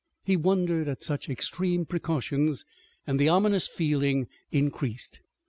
He wondered at such extreme precautions, and the ominous feeling increased.